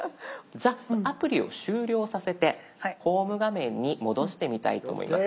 じゃあアプリを終了させてホーム画面に戻してみたいと思います。